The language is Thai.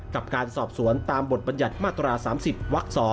กับการสอบสวนตามบทบัญญัติมาตรา๓๐วัก๒